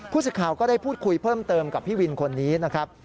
สิทธิ์ข่าวก็ได้พูดคุยเพิ่มเติมกับพี่วินคนนี้นะครับ